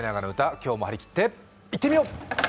今日も張り切っていってみよう。